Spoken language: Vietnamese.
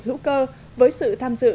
hữu cơ với sự tham dự